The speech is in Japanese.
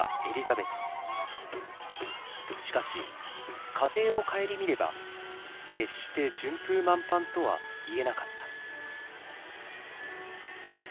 しかし家庭を顧みれば決して順風満帆とは言えなかった。